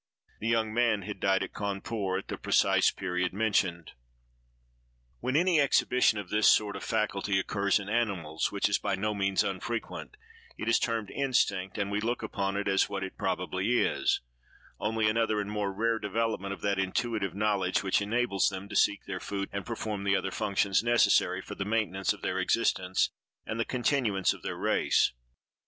The young man had died at Cawnpore, at the precise period mentioned. When any exhibition of this sort of faculty occurs in animals, which is by no means unfrequent, it is termed instinct; and we look upon it, as what it probably is, only another and more rare development of that intuitive knowledge which enables them to seek their food, and perform the other functions necessary for the maintenance of their existence and the continuance of their race.